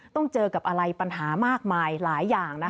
ต้องเจอกับอะไรปัญหามากมายหลายอย่าง